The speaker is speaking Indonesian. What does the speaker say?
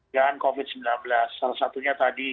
dengan covid sembilan belas salah satunya tadi